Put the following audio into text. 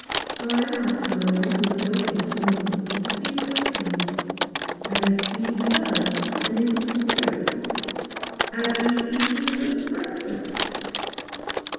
I asked the man who had waited upon him a few questions. Had he seemed well and in good spirits ? had he eaten a good breakfast